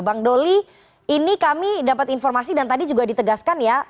bang doli ini kami dapat informasi dan tadi juga ditegaskan ya